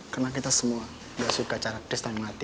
karena kita semua gak suka cara tes yang mati